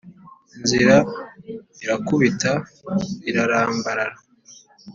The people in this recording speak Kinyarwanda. Inzira irakubita ararambarara.